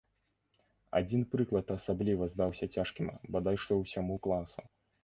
Адзін прыклад асабліва здаўся цяжкім бадай што ўсяму класу.